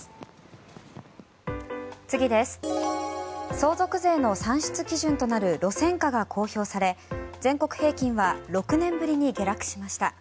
相続税の算出基準となる路線価が公表され全国平均は６年ぶりに下落しました。